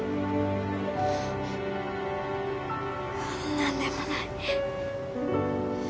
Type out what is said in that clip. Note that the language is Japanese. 何でもない。